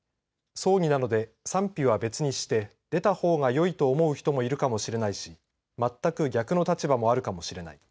葬儀なので賛否は別にして出たほうがよいと思う人もいるかもしれないし全く逆の立場もあるかもしれない。